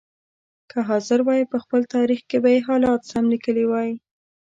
که حاضر وای په خپل تاریخ کې به یې حالات سم لیکلي وای.